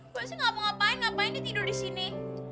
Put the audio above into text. gue sih gak mau ngapain ngapain ini tidur di sini